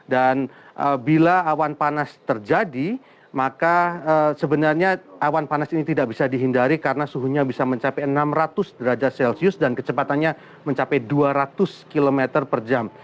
dan bila awan panas terjadi maka sebenarnya awan panas ini tidak bisa dihindari karena suhunya bisa mencapai enam ratus derajat celcius dan kecepatannya mencapai dua ratus km per jam